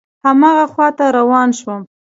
هماغه خواته روان شوم.